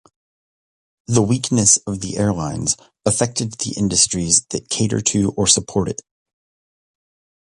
The weakness of the airlines affected the industries that cater to or support it.